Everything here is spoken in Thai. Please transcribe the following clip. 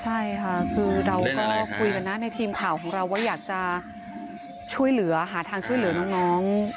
ใช่ค่ะคือเราก็คุยกันนะในทีมข่าวของเราว่าอยากจะช่วยเหลือหาทางช่วยเหลือน้อง